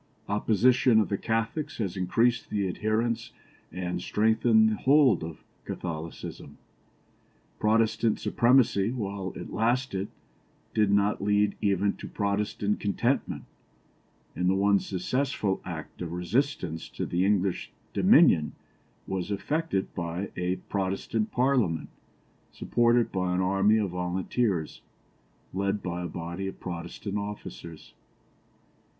Oppression of the Catholics has increased the adherents and strengthened the hold of Catholicism. Protestant supremacy, while it lasted, did not lead even to Protestant contentment, and the one successful act of resistance to the English dominion was effected by a Protestant Parliament supported by an army of volunteers, led by a body of Protestant officers.